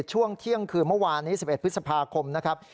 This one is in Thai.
ช่วงเที่ยงคืนเมื่อวานนี้๑๑พฤษภาคมนะครับ